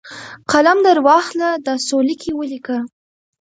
قلم درواخله ، دا څو لیکي ولیکه!